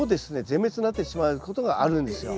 全滅になってしまうことがあるんですよ。